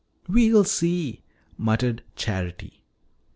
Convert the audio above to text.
"We'll see," muttered Charity.